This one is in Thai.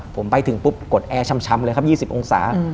ผมไปถึงปุ๊บกดแอร์ชำเลยครับ๒๐องศา